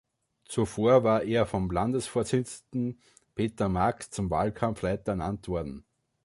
Zuvor war er vom Landesvorsitzenden Peter Marx zum Wahlkampfleiter ernannt worden.